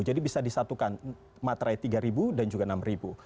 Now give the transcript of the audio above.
jadi bisa disatukan materai rp tiga dan juga rp enam